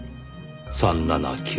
３７９。